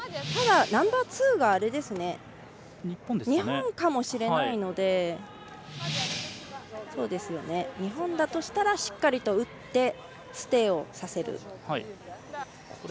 ただ、ナンバーツーが日本かもしれないので。日本だとしたらしっかりと打ってステイをさせる。